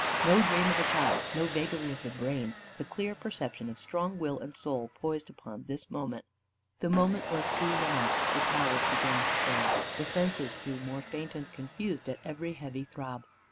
No dream of a child, no vagary of the brain the clear perception of strong will and soul poised upon this moment. The moment was too long; the powers began to fail, the senses grew more faint and confused at every heavy throb.